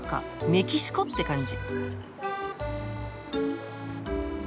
メキシコって感じ。